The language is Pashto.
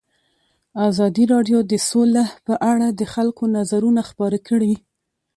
ازادي راډیو د سوله په اړه د خلکو نظرونه خپاره کړي.